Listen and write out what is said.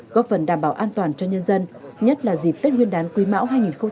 góp phần đảm bảo an toàn cho nhân dân nhất là dịp tết nguyên đán quý mão hai nghìn hai mươi bốn